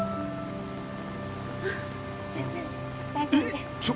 あっ全然大丈夫です。